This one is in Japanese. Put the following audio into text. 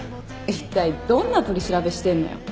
一体どんな取り調べしてんのよ。